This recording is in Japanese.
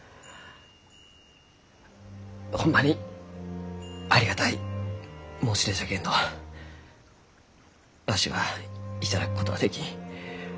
ホンマにありがたい申し出じゃけんどわしは頂くことはできん。